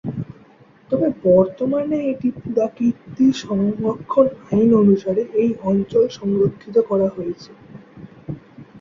তবে বর্তমানে এটি পুরাকীর্তি সংরক্ষণ আইন অনুসারে এই অঞ্চল সংরক্ষিত করা হয়েছে।